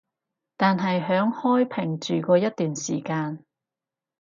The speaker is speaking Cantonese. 但係響開平住過一段時間